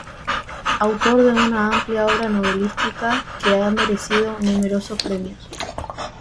Autor de una amplia obra novelística que ha merecido numerosos premios.